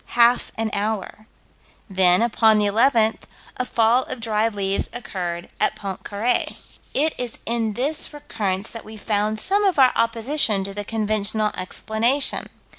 Half an hour. Then, upon the 11th, a fall of dried leaves occurred at Pontcarré. It is in this recurrence that we found some of our opposition to the conventional explanation.